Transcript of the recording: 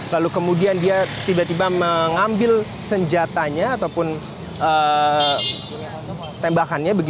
lalu kemudian dia tiba tiba mengambil senjatanya ataupun tembakannya